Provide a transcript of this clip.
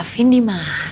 pada vin dimana